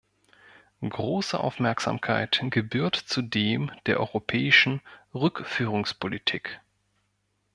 Große Aufmerksamkeit gebührt zudem der europäischen Rückführungspolitik.